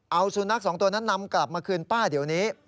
เอาสุนัขสองตัวนั้นนำกลับมาคืนป้าเดี๋ยวนี้